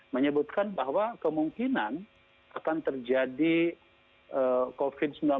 menyebutkan bahwa kemungkinan akan terjadi covid sembilan belas